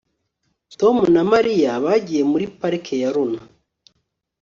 Tom na Mariya bagiye muri parike ya Luna